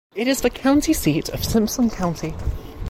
It is the county seat of Simpson County.